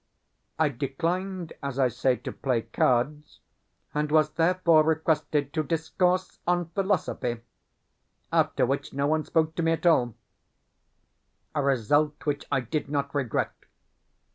I declined, as I say, to play cards, and was, therefore, requested to discourse on philosophy, after which no one spoke to me at all a result which I did not regret.